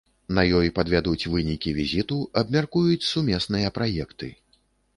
На ёй падвядуць вынікі візіту, абмяркуюць сумесныя праекты.